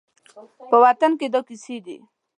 په وطن کې دا کیسې دي